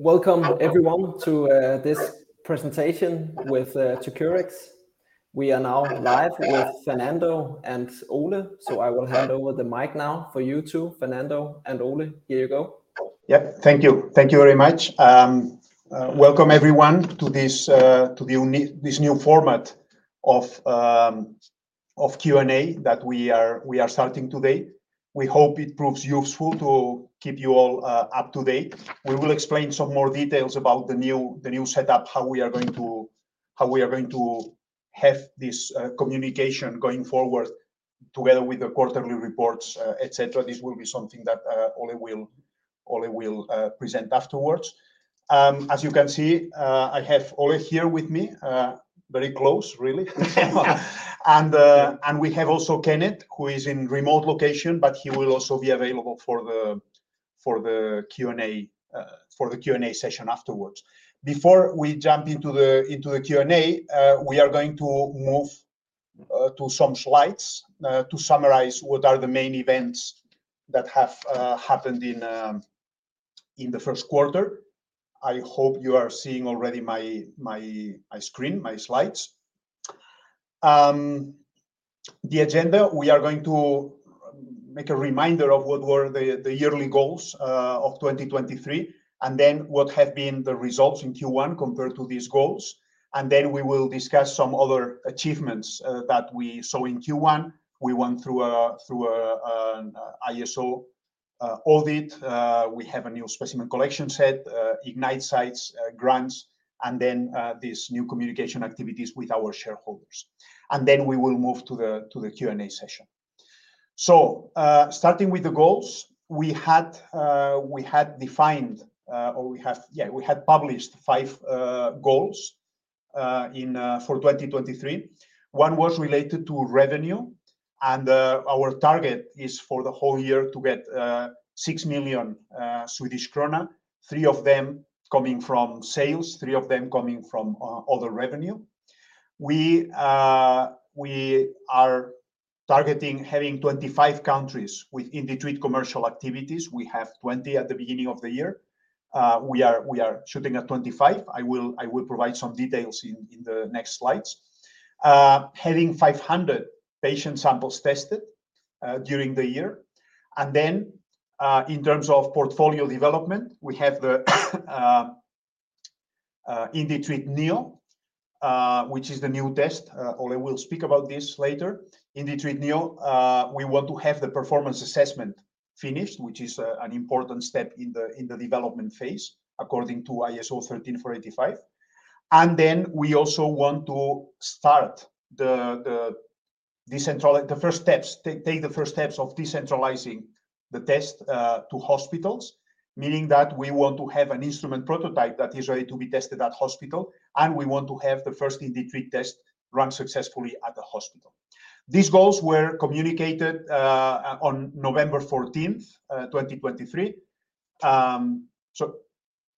Welcome everyone to this presentation with 2cureX. We are now live with Fernando and Ole. I will hand over the mic now for you two, Fernando and Ole. Here you go. Yeah. Thank you. Thank you very much. Welcome everyone to this new format of Q&A that we are starting today. We hope it proves useful to keep you all up to date. We will explain some more details about the new setup, how we are going to have this communication going forward together with the quarterly reports, etc. This will be something that Ole will present afterwards. As you can see, I have Ole here with me, very close, really. We have also Kenneth, who is in remote location, but he will also be available for the Q&A session afterwards. Before we jump into the, into the Q&A, we are going to move to some slides to summarize what are the main events that have happened in the first quarter. I hope you are seeing already my screen, my slides. The agenda, we are going to make a reminder of what were the yearly goals of 2023, and then what have been the results in Q1 compared to these goals. We will discuss some other achievements that we saw in Q1. We went through an ISO audit. We have a new Specimen Collection Set, IGNITE sites, grants, and these new communication activities with our shareholders. We will move to the Q&A session. Starting with the goals, we had defined, or we have, yeah, we had published five goals in for 2023. One was related to revenue, our target is for the whole year to get 6 million Swedish krona, 3 million of them coming from sales, 3 million of them coming from other revenue. We are targeting having 25 countries with IndiTreat commercial activities. We have 20 at the beginning of the year. We are shooting at 25. I will provide some details in the next slides. Having 500 patient samples tested during the year. In terms of portfolio development, we have the IndiTreat Neo, which is the new test. Ole will speak about this later. IndiTreat Neo, we want to have the performance assessment finished, which is an important step in the development phase, according to ISO 13485. We also want to start the first steps of decentralizing the test to hospitals, meaning that we want to have an instrument prototype that is ready to be tested at hospital, and we want to have the first IndiTreat test run successfully at the hospital. These goals were communicated on November 14th, 2023.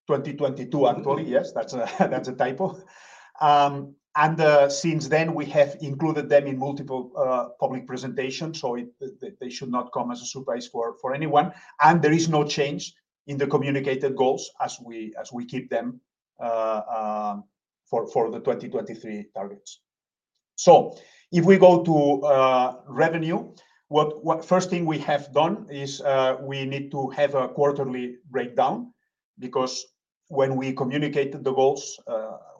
2022, actually. Yes, that's a typo. Since then we have included them in multiple public presentations, they should not come as a surprise for anyone. There is no change in the communicated goals as we keep them for the 2023 targets. If we go to revenue, first thing we have done is we need to have a quarterly breakdown because when we communicate the goals,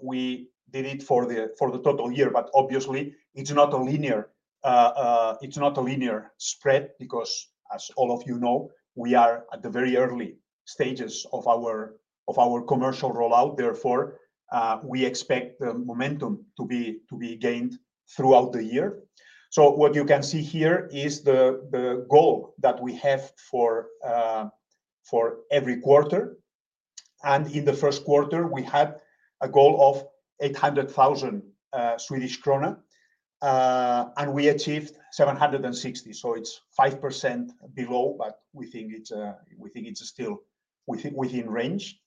we did it for the total year, but obviously it's not a linear spread because as all of you know, we are at the very early stages of our commercial rollout, therefore, we expect the momentum to be gained throughout the year. What you can see here is the goal that we have for every quarter. In the first quarter, we had a goal of 800,000 Swedish krona, and we achieved 760,000. It's 5% below, but we think it's still within range.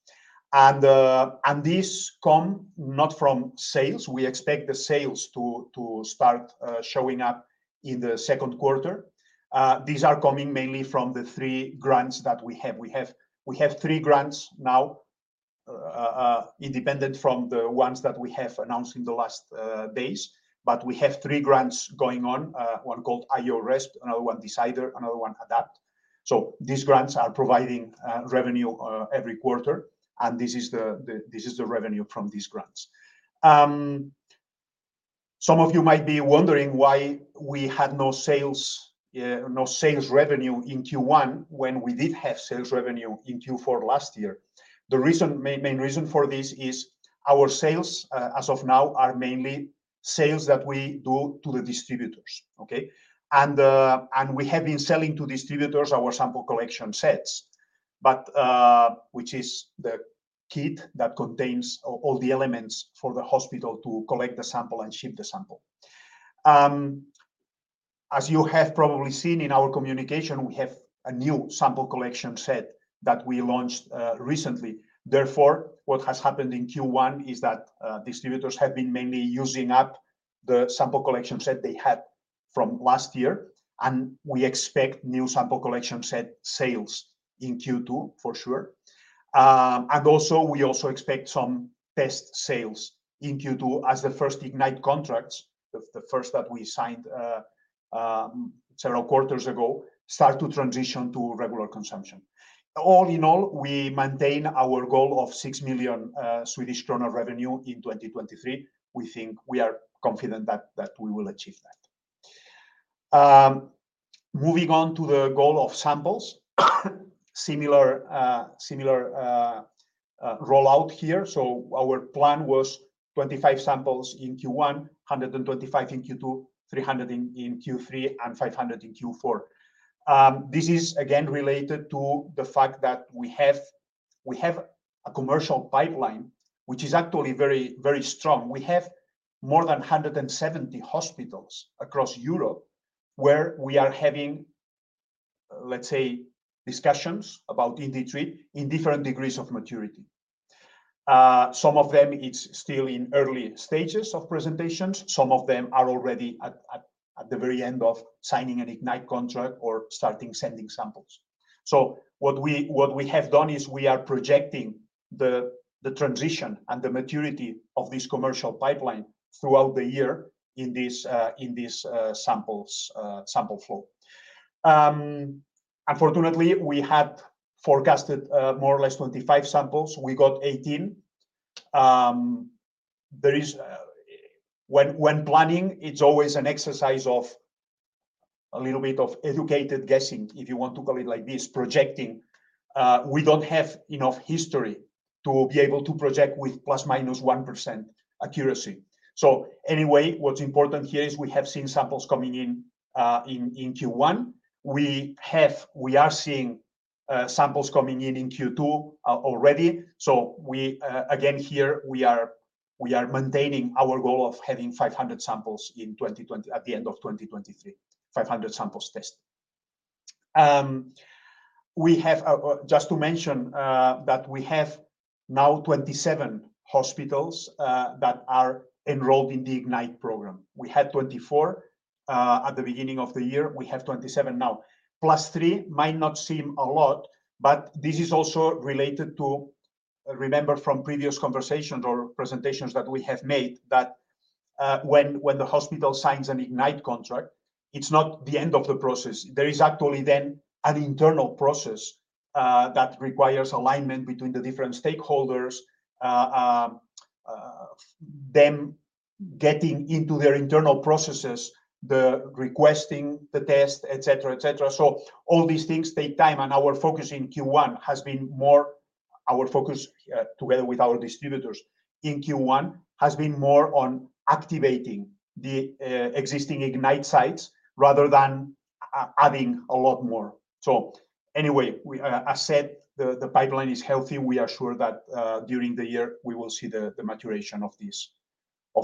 This come not from sales. We expect the sales to start showing up in the second quarter. These are coming mainly from the three grants that we have. We have three grants now independent from the ones that we have announced in the last days, but we have three grants going on, one called IO-Resp, another one DECIDER, another one ADAPT. These grants are providing revenue every quarter, and this is the revenue from these grants. Some of you might be wondering why we had no sales, no sales revenue in Q1 when we did have sales revenue in Q4 last year. The reason, main reason for this is our sales, as of now are mainly sales that we do to the distributors. Okay? We have been selling to distributors our Sample Collection Set, but which is the kit that contains all the elements for the hospital to collect the sample and ship the sample. As you have probably seen in our communication, we have a new Sample Collection Set that we launched recently. Therefore, what has happened in Q1 is that distributors have been mainly using up the Sample Collection Set they had from last year, and we expect new Sample Collection Set sales in Q2 for sure. Also, we also expect some test sales in Q2 as the first IGNITE contracts, the first that we signed several quarters ago, start to transition to regular consumption. All in all, we maintain our goal of 6 million Swedish kronor revenue in 2023. We think we are confident that we will achieve that. Moving on to the goal of samples, similar rollout here. Our plan was 25 samples in Q1, 125 in Q2, 300 in Q3, and 500 in Q4. This is again related to the fact that we have a commercial pipeline, which is actually very, very strong. We have more than 170 hospitals across Europe where we are having, let's say, discussions about IndiTreat in different degrees of maturity. Some of them it's still in early stages of presentations, some of them are already at the very end of signing an IGNITE contract or starting sending samples. What we have done is we are projecting the transition and the maturity of this commercial pipeline throughout the year in this sample flow. Unfortunately, we had forecasted more or less 25 samples. We got 18. When planning, it's always an exercise of a little bit of educated guessing, if you want to call it like this, projecting. We don't have enough history to be able to project with ±1% accuracy. What's important here is we have seen samples coming in in Q1. We are seeing samples coming in in Q2 already. We again, here we are maintaining our goal of having 500 samples at the end of 2023, 500 samples tested. We have, just to mention, that we have now 27 hospitals that are enrolled in the IGNITE program. We had 24 at the beginning of the year, we have 27 now. Plus three might not seem a lot, but this is also related to, remember from previous conversations or presentations that we have made, that when the hospital signs an IGNITE contract, it's not the end of the process. There is actually then an internal process that requires alignment between the different stakeholders, them getting into their internal processes, the requesting the test, et cetera, et cetera. All these things take time, and our focus in Q1 has been more on activating the existing IGNITE sites rather than adding a lot more. Anyway, the pipeline is healthy. We are sure that during the year, we will see the maturation of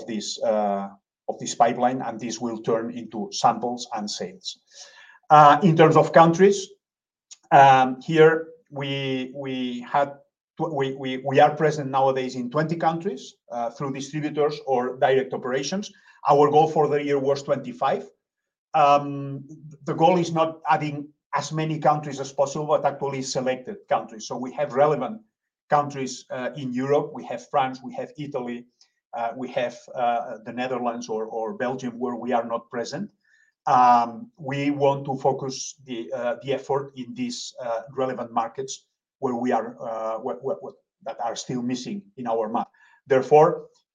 this pipeline, and this will turn into samples and sales. In terms of countries, here we are present nowadays in 20 countries through distributors or direct operations. Our goal for the year was 25. The goal is not adding as many countries as possible, but actually selected countries. We have relevant countries in Europe. We have France, we have Italy, we have the Netherlands or Belgium, where we are not present. We want to focus the effort in these relevant markets where we are that are still missing in our map.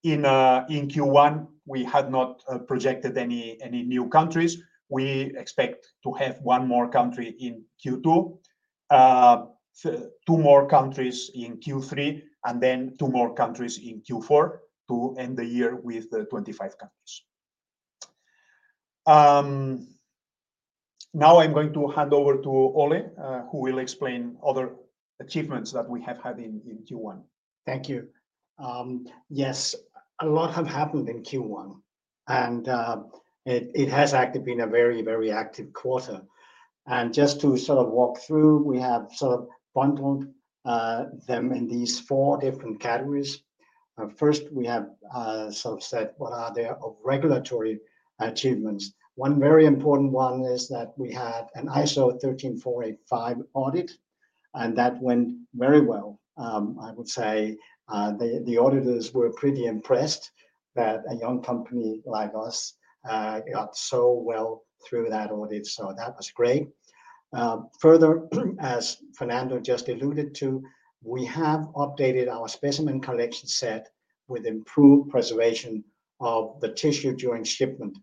In Q1, we had not projected any new countries. We expect to have one more country in Q2, two more countries in Q3, and then two more countries in Q4 to end the year with the 25 countries. Now I'm going to hand over to Ole, who will explain other achievements that we have had in Q1. Thank you. Yes, a lot have happened in Q1, and it has actually been a very, very active quarter. Just to sort of walk through, we have sort of bundled them in these four different categories. First, we have sort of said what are their regulatory achievements. One very important one is that we had an ISO 13485 audit, and that went very well. I would say the auditors were pretty impressed that a young company like us got so well through that audit. That was great. Further, as Fernando just alluded to, we have updated our Specimen Collection Set with improved preservation of the tissue during shipment.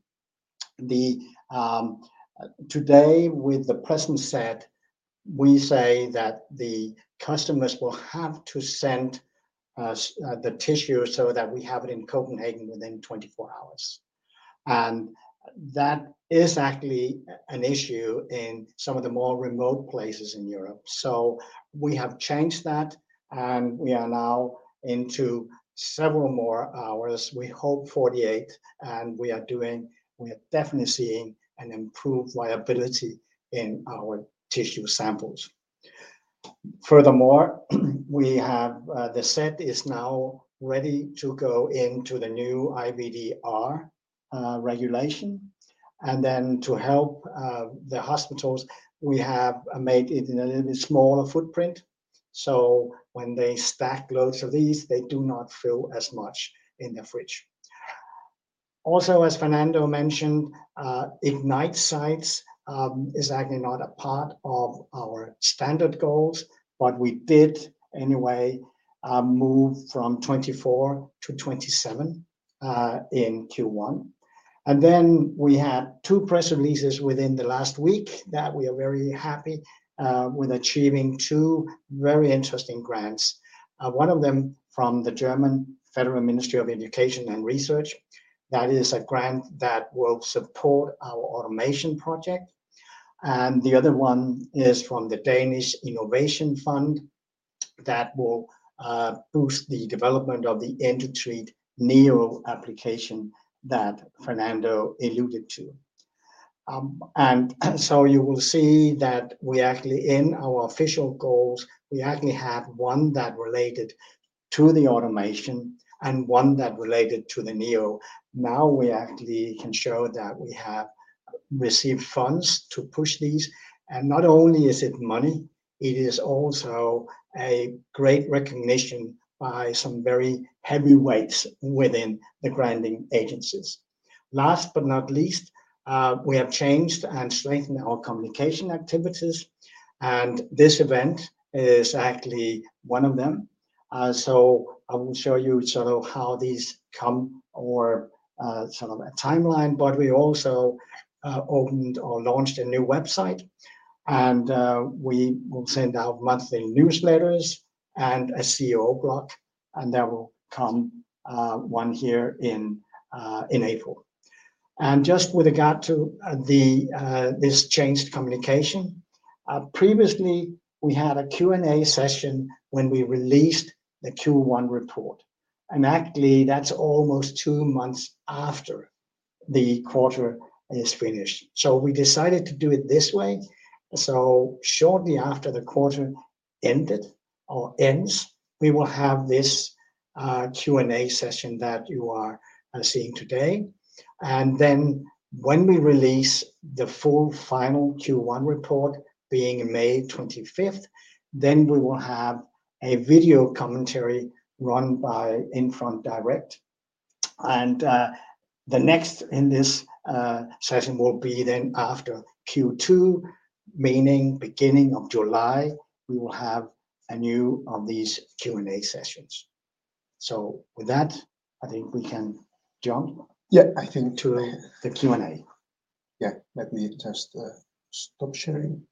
Today, with the present set, we say that the customers will have to send us the tissue so that we have it in Copenhagen within 24 hours. That is actually an issue in some of the more remote places in Europe. We have changed that, and we are now into several more hours. We hope 48, and we are definitely seeing an improved viability in our tissue samples. Furthermore, we have the set is now ready to go into the new IVD-R Regulation. To help the hospitals, we have made it in a little bit smaller footprint, so when they stack loads of these, they do not fill as much in the fridge. As Fernando mentioned, IGNITE sites is actually not a part of our standard goals, we did anyway move from 24-27 in Q1. We had two press releases within the last week that we are very happy with achieving two very interesting grants. One of them from the German Federal Ministry of Education and Research, that is a grant that will support our automation project, and the other one is from the Danish Innovation Fund that will boost the development of the IndiTreat Neo application that Fernando alluded to. You will see that we actually in our official goals, we actually had one that related to the automation and one that related to the Neo. Now we actually can show that we have received funds to push these, and not only is it money, it is also a great recognition by some very heavyweights within the granting agencies. Last but not least, we have changed and strengthened our communication activities, and this event is actually one of them. I will show you sort of how these come or sort of a timeline, but we also opened or launched a new website and we will send out monthly newsletters and a CEO blog, and there will come one here in April. Just with regard to the this changed communication, previously we had a Q&A session when we released the Q1 report, and actually that's almost two months after the quarter is finished. We decided to do it this way. Shortly after the quarter ended or ends, we will have this Q&A session that you are seeing today. When we release the full final Q1 report being May 25th, then we will have a video commentary run by Infront Direkt. The next in this session will be then after Q2, meaning beginning of July, we will have a new of these Q&A sessions. With that, I think we can jump- Yeah. I think to the Q&A. Yeah. Let me just stop sharing,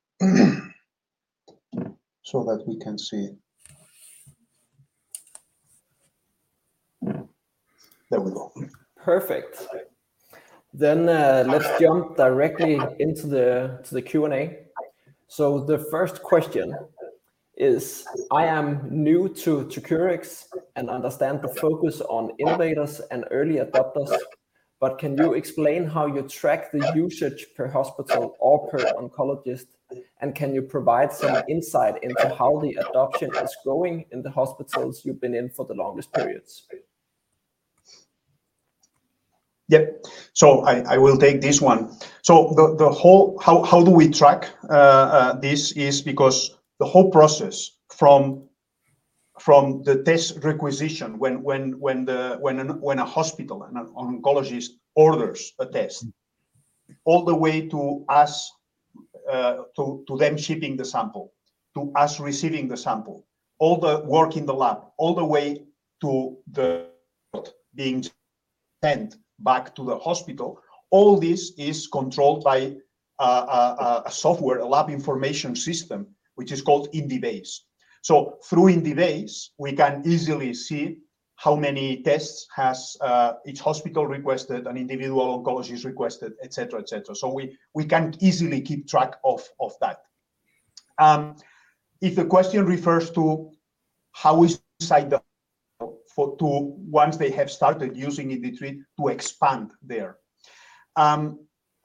so that we can see. There we go. Perfect. Let's jump directly into the Q&A. The first question is, I am new to 2cureX and understand the focus on innovators and early adopters, can you explain how you track the usage per hospital or per oncologist, can you provide some insight into how the adoption is growing in the hospitals you've been in for the longest periods? I will take this one. The whole how do we track this is because the whole process from the test requisition, when a hospital and an oncologist orders a test, all the way to us, to them shipping the sample, to us receiving the sample, all the work in the lab, all the way to the result being sent back to the hospital, all this is controlled by a software, a lab information system, which is called IndiBase. Through IndiBase, we can easily see how many tests has each hospital requested, an individual oncologist requested, et cetera, et cetera. We can easily keep track of that. If the question refers to how we decide to, once they have started using IndiTreat to expand there.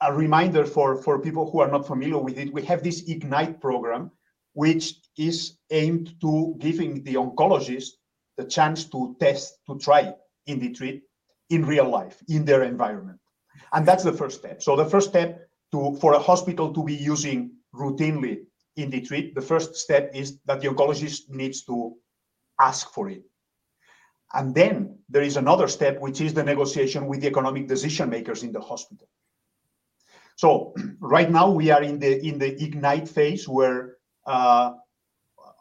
A reminder for people who are not familiar with it, we have this IGNITE program, which is aimed to giving the oncologist the chance to test, to try IndiTreat in real life, in their environment. That's the first step. The first step to, for a hospital to be using routinely IndiTreat, the first step is that the oncologist needs to ask for it. Then there is another step, which is the negotiation with the economic decision-makers in the hospital. Right now we are in the IGNITE phase, where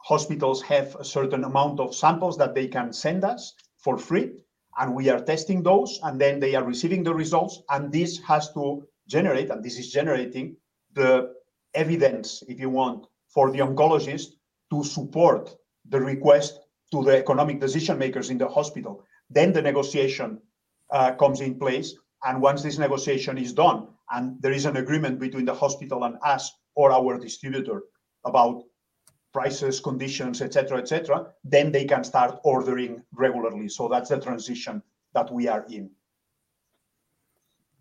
hospitals have a certain amount of samples that they can send us for free, and we are testing those, and then they are receiving the results, and this is generating the evidence, if you want, for the oncologist to support the request to the economic decision-makers in the hospital. The negotiation comes in place, and once this negotiation is done and there is an agreement between the hospital and us or our distributor about prices, conditions, et cetera, et cetera, then they can start ordering regularly. That's the transition that we are in.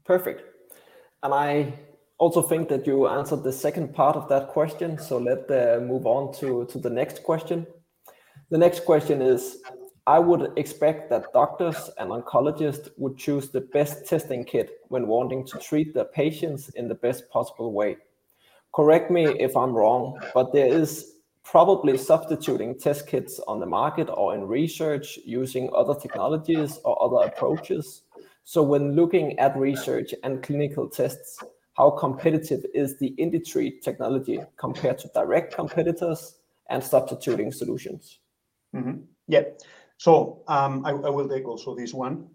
Perfect. I also think that you answered the second part of that question, so let move on to the next question. The next question is, I would expect that doctors and oncologists would choose the best testing kit when wanting to treat their patients in the best possible way. Correct me if I'm wrong, but there is probably substituting test kits on the market or in research using other technologies or other approaches. When looking at research and clinical tests, how competitive is the IndiTreat technology compared to direct competitors and substituting solutions? Yeah. I will take also this one.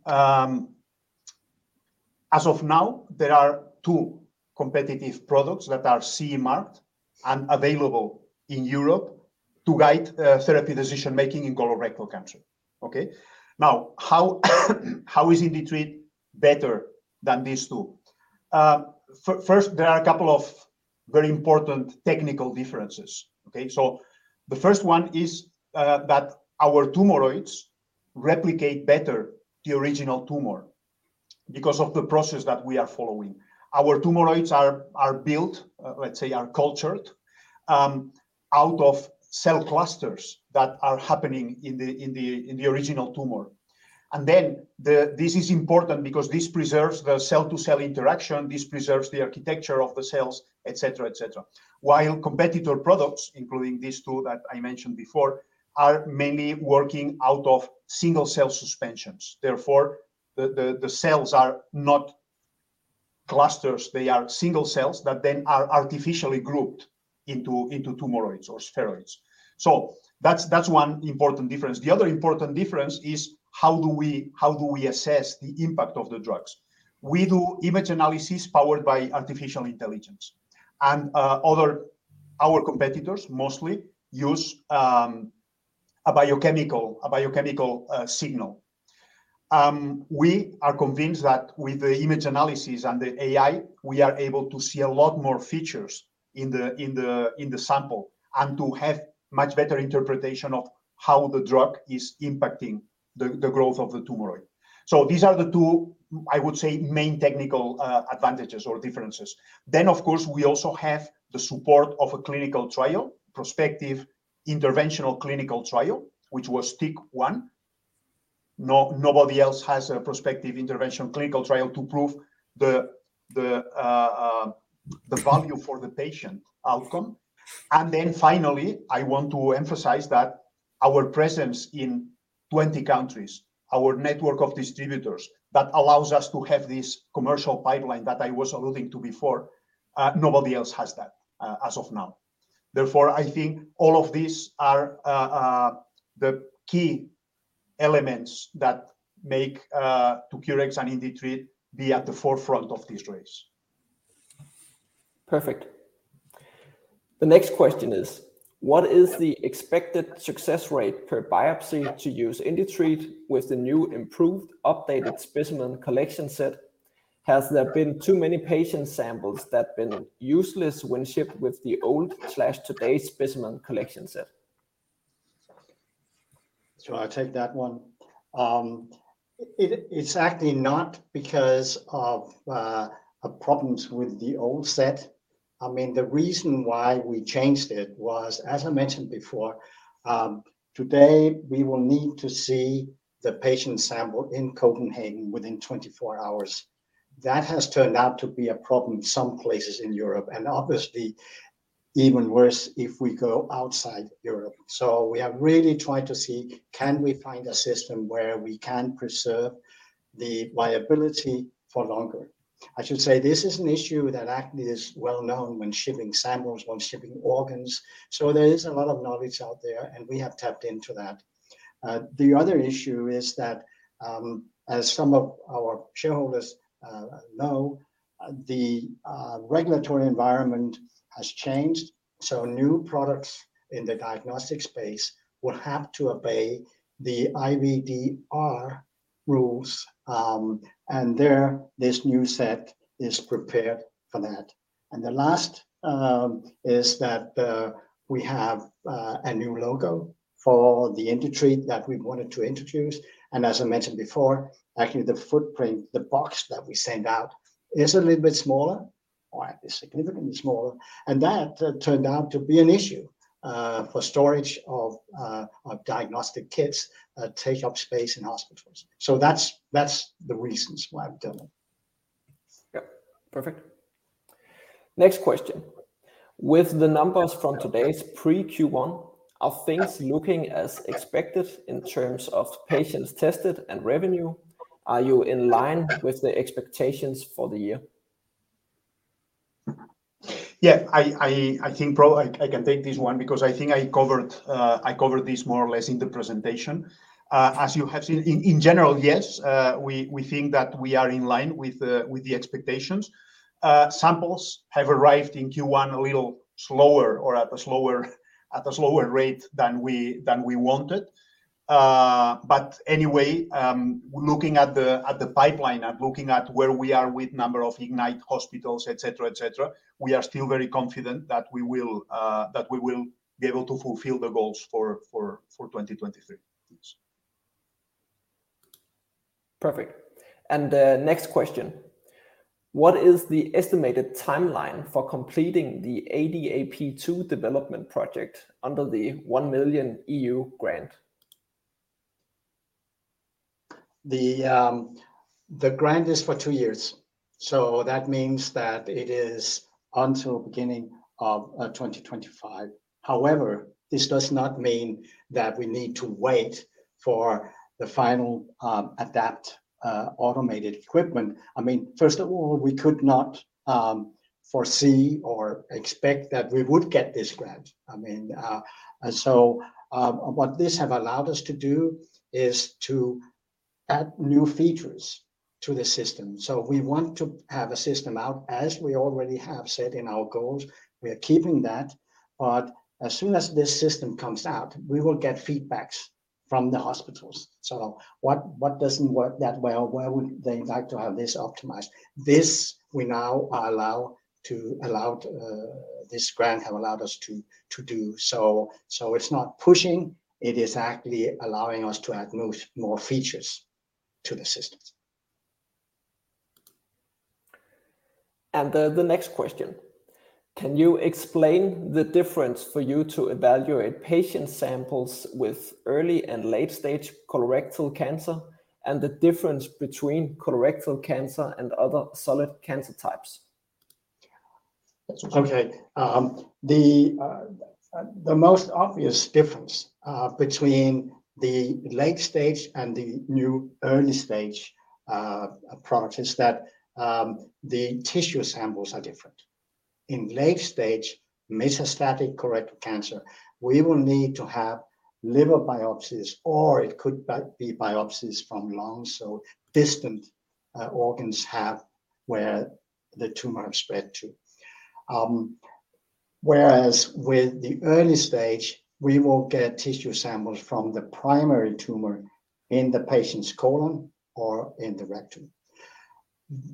As of now, there are two competitive products that are CE marked and available in Europe to guide therapy decision-making in colorectal cancer. Okay? Now, how is IndiTreat better than these two? First, there are a couple of very important technical differences. Okay? The first one is that our tumoroids replicate better the original tumor because of the process that we are following. Our tumoroids are built, let's say, are cultured out of cell clusters that are happening in the original tumor. This is important because this preserves the cell-to-cell interaction, this preserves the architecture of the cells, et cetera, et cetera, while competitor products, including these two that I mentioned before, are mainly working out of single-cell suspensions. The cells are not clusters. They are single cells that then are artificially grouped into tumoroids or spheroids. That's one important difference. The other important difference is how do we assess the impact of the drugs? We do image analysis powered by artificial intelligence, and our competitors mostly use a biochemical signal. We are convinced that with the image analysis and the AI, we are able to see a lot more features in the sample and to have much better interpretation of how the drug is impacting the growth of the tumoroid. These are the two, I would say, main technical advantages or differences. Of course, we also have the support of a clinical trial, prospective interventional clinical trial, which was TICC-1. Nobody else has a prospective interventional clinical trial to prove the value for the patient outcome. Finally, I want to emphasize that our presence in 20 countries, our network of distributors that allows us to have this commercial pipeline that I was alluding to before, nobody else has that as of now. Therefore, I think all of these are the key elements that make 2cureX and IndiTreat be at the forefront of this race. Perfect. The next question is, what is the expected success rate per biopsy to use IndiTreat with the new improved updated Specimen Collection Set? Has there been too many patient samples that have been useless when shipped with the old/today's Specimen Collection Set? Shall I take that one? It's actually not because of problems with the old set. I mean, the reason why we changed it was, as I mentioned before, today we will need to see the patient sample in Copenhagen within 24 hours. That has turned out to be a problem some places in Europe, and obviously even worse if we go outside Europe. We have really tried to see, can we find a system where we can preserve the viability for longer? I should say this is an issue that actually is well known when shipping samples, when shipping organs. There is a lot of knowledge out there, and we have tapped into that. The other issue is that, as some of our shareholders, know, the regulatory environment has changed, so new products in the diagnostic space will have to obey the IVD-R rules. There, this new set is prepared for that. The last is that we have a new logo for the IndiTreat that we wanted to introduce. As I mentioned before, actually the footprint, the box that we send out is a little bit smaller, or is significantly smaller, and that turned out to be an issue for storage of diagnostic kits, take up space in hospitals. That's the reasons why we've done it. Yep. Perfect. Next question: With the numbers from today's pre-Q1, are things looking as expected in terms of patients tested and revenue? Are you in line with the expectations for the year? Yeah. I can take this one because I think I covered this more or less in the presentation. As you have seen, in general, yes, we think that we are in line with the expectations. Samples have arrived in Q1 a little slower or at a slower rate than we wanted. But anyway, looking at the pipeline and looking at where we are with number of IGNITE hospitals, et cetera, et cetera, we are still very confident that we will be able to fulfill the goals for 2023. Yes. Perfect. Next question. What is the estimated timeline for completing the ADAPT-2 development project under the 1 million grant? The grant is for two years, that means that it is until beginning of 2025. This does not mean that we need to wait for the final ADAPT automated equipment. First of all, we could not foresee or expect that we would get this grant. What this have allowed us to do is to add new features to the system. We want to have a system out, as we already have said in our goals, we are keeping that. As soon as this system comes out, we will get feedbacks from the hospitals. What doesn't work that well? Where would they like to have this optimized? This we now are allowed, this grant have allowed us to do. It's not pushing, it is actually allowing us to add more features to the systems. The next question. Can you explain the difference for you to evaluate patient samples with early and late stage colorectal cancer, and the difference between colorectal cancer and other solid cancer types? Okay. The most obvious difference between the late-stage and the new early-stage approach is that the tissue samples are different. In late-stage metastatic colorectal cancer, we will need to have liver biopsies, or it could be biopsies from lungs, so distant organs have where the tumor have spread to. Whereas with the early-stage, we will get tissue samples from the primary tumor in the patient's colon or in the rectum.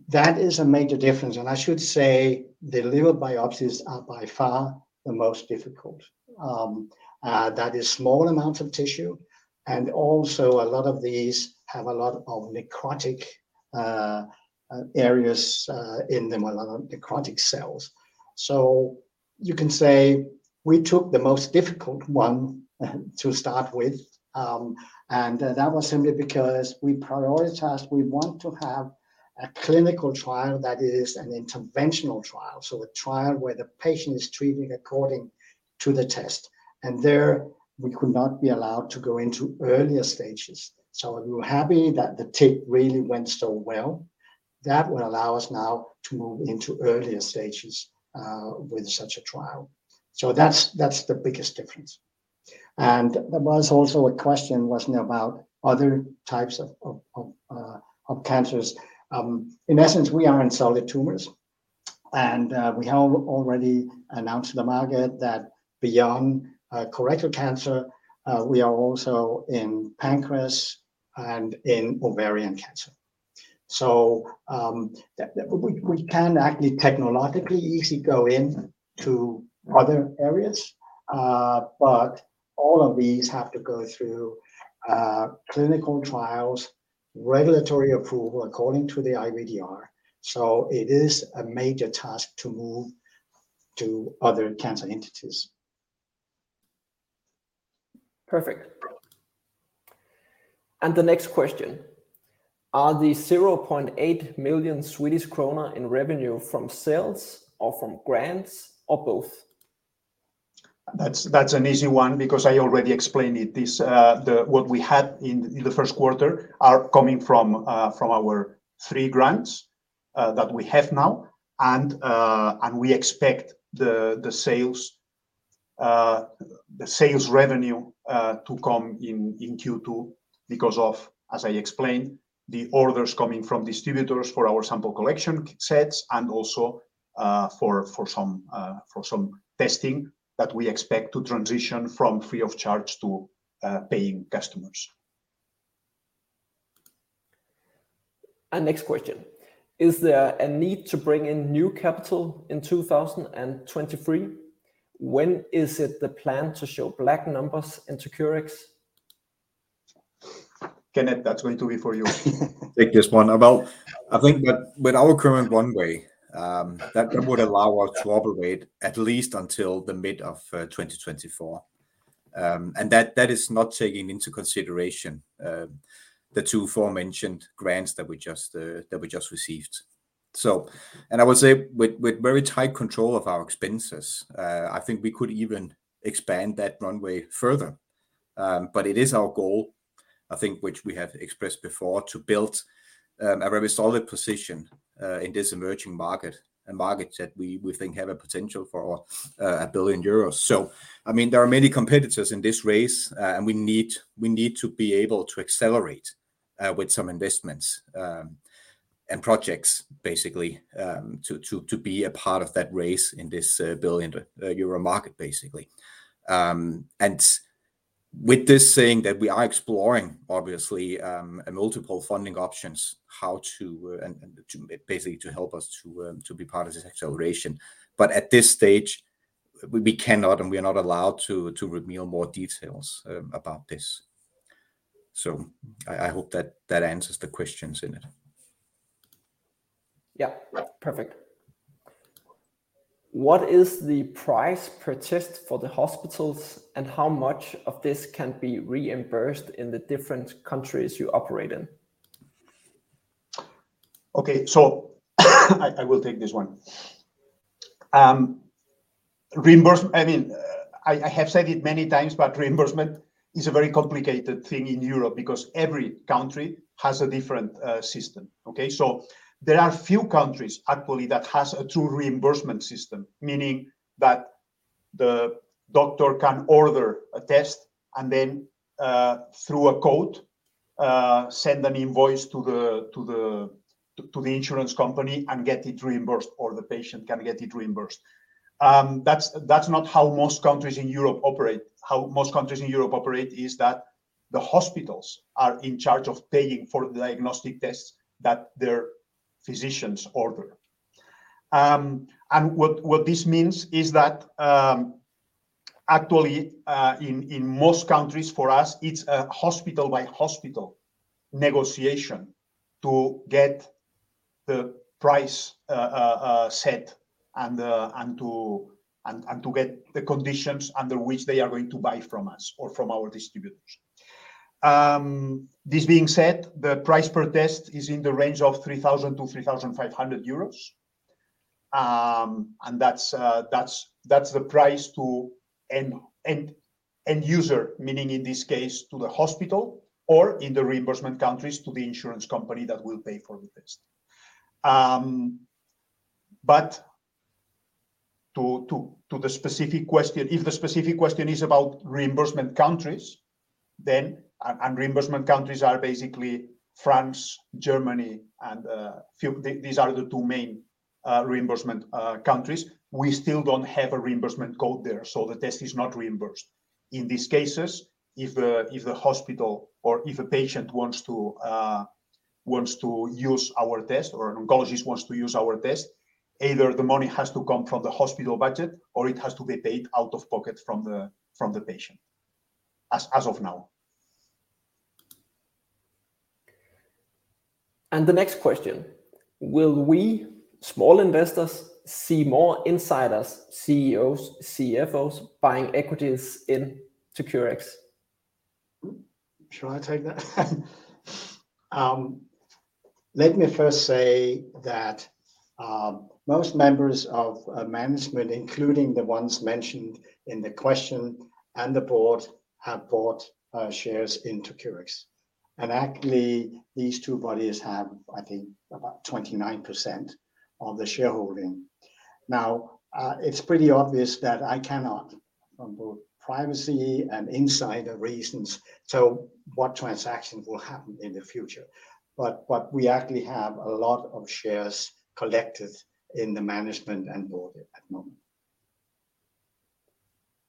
That is a major difference, and I should say the liver biopsies are by far the most difficult. That is small amounts of tissue, and also a lot of these have a lot of necrotic areas in them, a lot of necrotic cells. You can say we took the most difficult one to start with, and that was simply because we prioritized we want to have a clinical trial that is an interventional trial, so a trial where the patient is treating according to the test. There we could not be allowed to go into earlier stages. We were happy that the TICC-1 really went so well. That will allow us now to move into earlier stages with such a trial. That's the biggest difference. There was also a question, wasn't it, about other types of cancers. In essence, we are in solid tumors, and we have already announced to the market that beyond colorectal cancer, we are also in pancreas and in ovarian cancer. We can actually technologically easily go into other areas, but all of these have to go through clinical trials, regulatory approval according to the IVD-R. It is a major task to move to other cancer entities. Perfect. The next question. Are the 0.8 million Swedish kronor in revenue from sales or from grants, or both? That's an easy one because I already explained it. This what we had in the first quarter are coming from from our three grants that we have now. We expect the sales the sales revenue to come in Q2 because of, as I explained, the orders coming from distributors for our Sample Collection Set and also for for some testing that we expect to transition from free of charge to paying customers. Next question. Is there a need to bring in new capital in 2023? When is it the plan to show black numbers in 2cureX? Kenneth, that's going to be for you. Take this one. Well, I think with our current runway, that would allow us to operate at least until the mid of 2024. That is not taking into consideration the two aforementioned grants that we just received. I would say with very tight control of our expenses, I think we could even expand that runway further. It is our goal, I think which we have expressed before, to build a very solid position in this emerging market, a market that we think have a potential for 1 billion euros. I mean, there are many competitors in this race, and we need to be able to accelerate with some investments and projects basically, to be a part of that race in this 1 billion euro market, basically. With this saying that we are exploring obviously, multiple funding options, how to and to basically help us to be part of this acceleration. At this stage... We cannot and we are not allowed to reveal more details about this. I hope that answers the questions in it. Yeah. Perfect. What is the price per test for the hospitals, and how much of this can be reimbursed in the different countries you operate in? I will take this one. I mean, I have said it many times, but reimbursement is a very complicated thing in Europe because every country has a different system. There are few countries actually that has a true reimbursement system, meaning that the doctor can order a test and then, through a code, send an invoice to the insurance company and get it reimbursed, or the patient can get it reimbursed. That's, that's not how most countries in Europe operate. How most countries in Europe operate is that the hospitals are in charge of paying for the diagnostic tests that their physicians order. What this means is that actually, in most countries for us, it's a hospital by hospital negotiation to get the price set and to get the conditions under which they are going to buy from us or from our distributors. This being said, the price per test is in the range of 3,000-3,500 euros. That's the price to end user, meaning in this case to the hospital or in the reimbursement countries to the insurance company that will pay for the test. To the specific question, if the specific question is about reimbursement countries, reimbursement countries are basically France, Germany and few. These are the two main reimbursement countries. We still don't have a reimbursement code there. The test is not reimbursed. In these cases, if a hospital or if a patient wants to use our test or an oncologist wants to use our test, either the money has to come from the hospital budget or it has to be paid out of pocket from the patient as of now. The next question: Will we small investors see more insiders, CEOs, CFOs buying equities in 2cureX? Shall I take that? Let me first say that most members of management, including the ones mentioned in the question and the board, have bought shares in 2cureX. Actually these two bodies have, I think, about 29% of the shareholding. It's pretty obvious that I cannot on both privacy and insider reasons, so what transactions will happen in the future. We actually have a lot of shares collected in the management and board at the moment.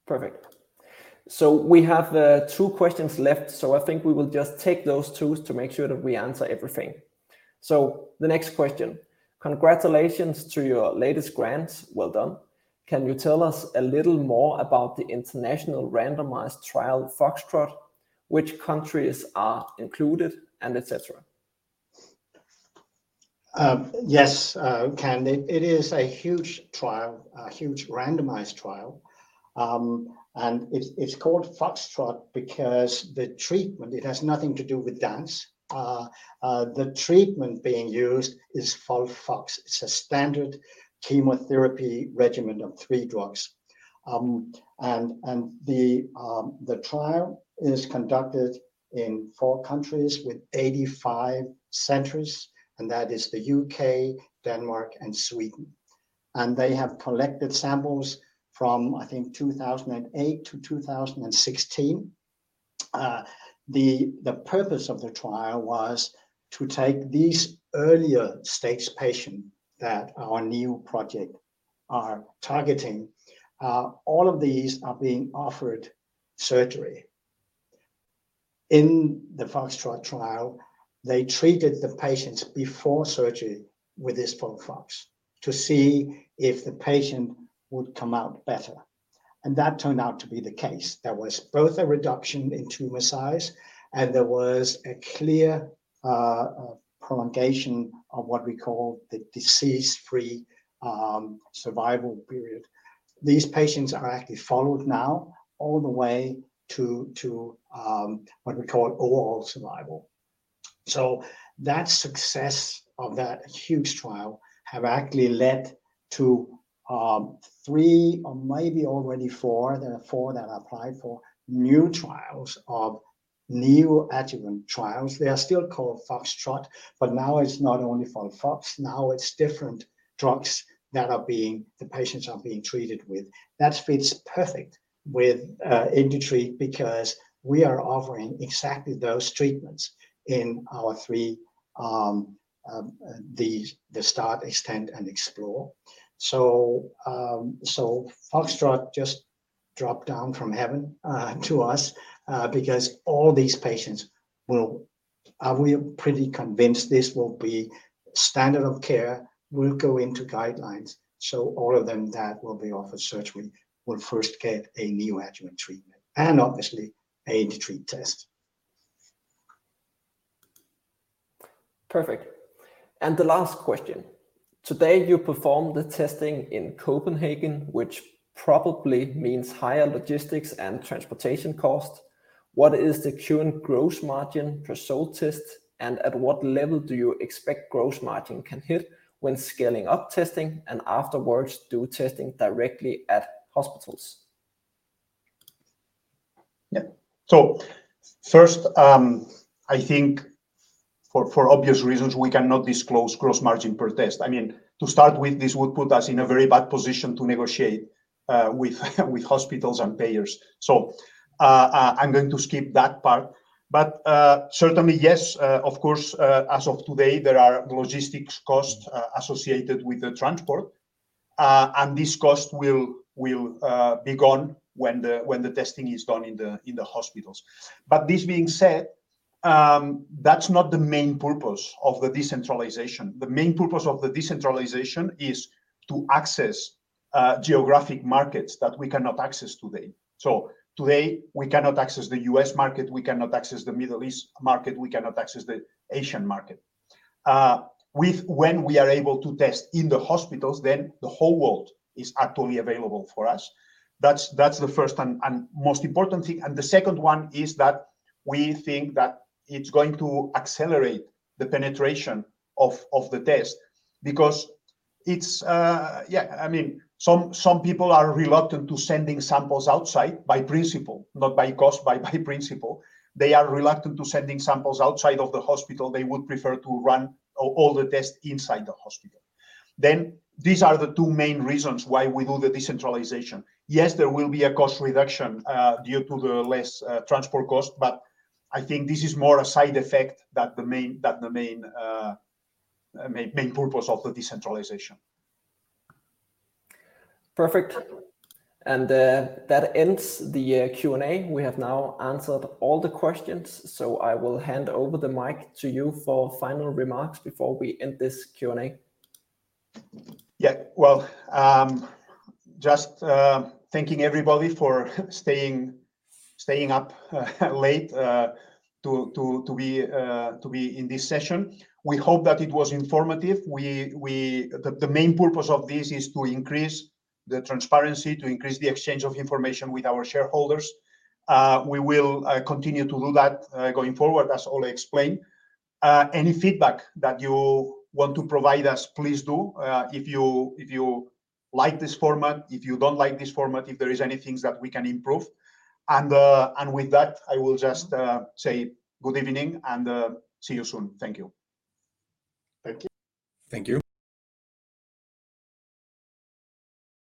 Perfect. We have, two questions left, so I think we will just take those two to make sure that we answer everything. The next question. Congratulations to your latest grants. Well done. Can you tell us a little more about the international randomized trial FOxTROT? Which countries are included and et cetera? It is a huge trial, a huge randomized trial, and it's called FOxTROT because the treatment, it has nothing to do with dance. The treatment being used is FOLFOX. It's a standard chemotherapy regimen of three drugs. The trial is conducted in four countries with 85 centers, and that is the U.K., Denmark and Sweden. They have collected samples from, I think, 2008-2016. The purpose of the trial was to take these earlier stage patient that our new project are targeting. All of these are being offered surgery. In the FOxTROT trial, they treated the patients before surgery with this FOLFOX to see if the patient would come out better, and that turned out to be the case. There was both a reduction in tumor size, and there was a clear prolongation of what we call the disease-free survival period. These patients are actually followed now all the way to what we call overall survival. That success of that huge trial have actually led to three or maybe already four, there are four that applied for new trials of neoadjuvant trials. They are still called FOxTROT, now it's not only FOLFOX. Now it's different drugs the patients are being treated with. That fits perfect with IndiTreat because we are offering exactly those treatments in our three IndiTreat Start, IndiTreat Extend and IndiTreat Explore. FOxTROT just-drop down from heaven to us because all these patients will... Pretty convinced this will be standard of care, will go into guidelines. All of them that will be offered surgery will first get a neoadjuvant treatment and obviously a treat test. Perfect. The last question. Today you perform the testing in Copenhagen, which probably means higher logistics and transportation costs. What is the current gross margin per sold test, and at what level do you expect gross margin can hit when scaling up testing and afterwards do testing directly at hospitals? Yeah. First, I think for obvious reasons, we cannot disclose gross margin per test. I mean, to start with, this would put us in a very bad position to negotiate with hospitals and payers. I'm going to skip that part. Certainly, yes, of course, as of today, there are logistics costs associated with the transport. This cost will be gone when the testing is done in the hospitals. This being said, that's not the main purpose of the decentralization. The main purpose of the decentralization is to access geographic markets that we cannot access today. Today, we cannot access the U.S. market, we cannot access the Middle East market, we cannot access the Asian market. When we are able to test in the hospitals, then the whole world is actually available for us. That's the first and most important thing. The second one is that we think that it's going to accelerate the penetration of the test because it's. Yeah, I mean, some people are reluctant to sending samples outside by principle, not by cost, by principle. They are reluctant to sending samples outside of the hospital. They would prefer to run all the tests inside the hospital. These are the two main reasons why we do the decentralization. Yes, there will be a cost reduction due to the less transport cost, but I think this is more a side effect than the main purpose of the decentralization. Perfect. That ends the Q&A. We have now answered all the questions. I will hand over the mic to you for final remarks before we end this Q&A. Yeah. Well, just thanking everybody for staying up late to be in this session. We hope that it was informative. The main purpose of this is to increase the transparency, to increase the exchange of information with our shareholders. We will continue to do that going forward, as Ole explained. Any feedback that you want to provide us, please do. If you like this format, if you don't like this format, if there is any things that we can improve. With that, I will just say good evening and see you soon. Thank you. Thank you. Thank you.